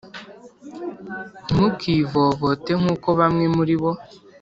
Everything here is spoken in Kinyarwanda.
Ntimukivovote nk uko bamwe bo muri bo